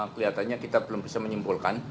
kelihatannya kita belum bisa menyimpulkan